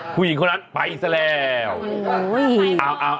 ผู้หญิงคนนั้นไปซะแล้ว